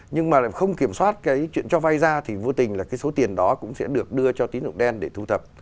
nhưng mà không kiểm soát cái chuyện cho vay ra thì vô tình là cái số tiền đó cũng sẽ được đưa cho tín dụng đen để thu thập